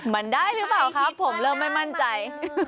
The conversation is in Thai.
มันได้หรือเปล่าครับผมเริ่มไม่มั่นใจ